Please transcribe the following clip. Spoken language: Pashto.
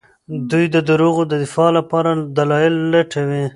دوی د دروغو د دفاع لپاره دلايل لټوي.